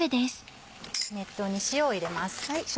熱湯に塩を入れます。